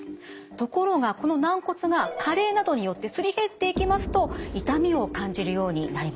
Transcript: ところがこの軟骨が加齢などによってすり減っていきますと痛みを感じるようになります。